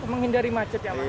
menghindari macet ya mas